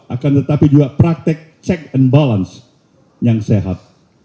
akan tetapi juga praktek check and balance yang sehat